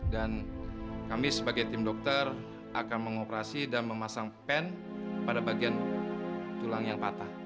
dan kami sebagai tim dokter akan mengoperasi dan memasang pen pada bagian tulang yang patah